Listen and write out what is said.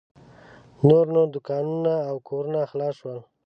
نور نو دوکانونه او کورونه خلاص شول.